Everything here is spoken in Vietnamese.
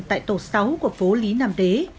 tại tổ sáu của phố lý nam đế